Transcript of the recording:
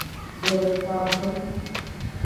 د کتاب نوم: